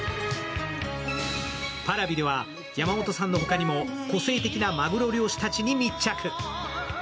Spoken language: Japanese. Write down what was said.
Ｐａｒａｖｉでは山本さんのほかにも個性的なマグロ漁師たちに密着。